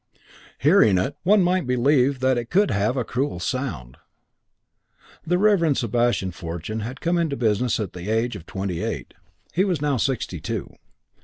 Hearing it, one might believe that it could have a cruel sound. The Reverend Sebastian Fortune had come into the business at the age of twenty eight. He was now sixty two.